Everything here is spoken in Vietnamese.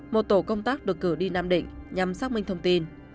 một tổ công tác được cử đi nam định nhằm xác minh thông tin